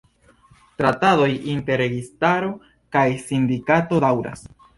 Traktadoj inter registaro kaj sindikato daŭras.